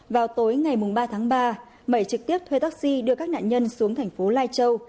vào tối ngày ba tháng ba mẩy trực tiếp thuê taxi đưa các nạn nhân xuống thành phố lai châu